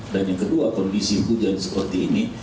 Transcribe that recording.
dan yang kedua kondisi hujan seperti ini